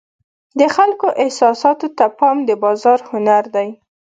د خلکو احساساتو ته پام د بازار هنر دی.